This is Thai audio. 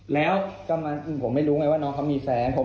แล้วผมไม่รู้ไงว่าน้องเขามีแฟน